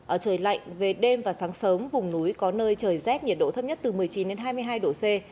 ở trời lạnh về đêm và sáng sớm vùng núi có nơi trời rét nhiệt độ thấp nhất từ một mươi chín hai mươi hai độ c